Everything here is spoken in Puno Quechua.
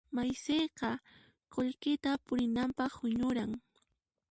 Masiyqa qullqita purinanpaq huñuran.